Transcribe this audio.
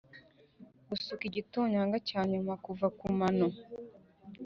gusuka igitonyanga cyanyuma kuva kumano